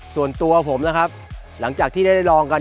ส่วนตัวผมนะครับหลังจากที่ได้ลองกัน